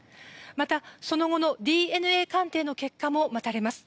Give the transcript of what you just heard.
また、その後のＤＮＡ鑑定の結果も待たれます。